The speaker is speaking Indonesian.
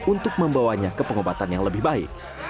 untuk membawanya ke pengobatan yang lebih baik